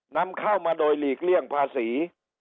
นำเข้ามาโดยหลีกเลี่ยงภาษี